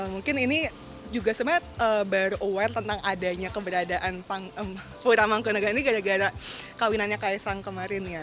mungkin ini juga sebenarnya baru aware tentang adanya keberadaan pura mangkunega ini gara gara kawinannya kaisang kemarin ya